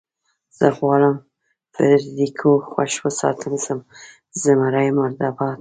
زه غواړم فرېډرېکو خوښ وساتم، زمري مرده باد.